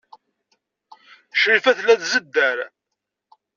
Crifa tella tzedder.